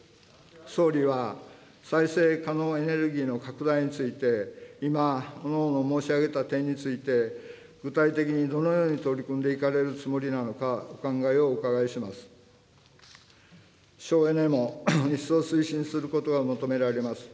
総理は再生可能エネルギーの拡大について、今、おのおの申し上げた点について、具体的にどのように取り組んでいかれるつもりなのか、お考えをお伺いします。